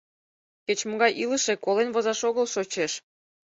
— Кеч-могай илыше колен возаш огыл шочеш!